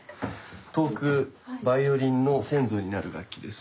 遠くバイオリンの先祖になる楽器です。